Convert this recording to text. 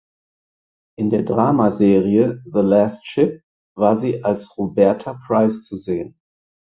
In der Dramaserie "The Last Ship" war sie als Roberta Price zu sehen.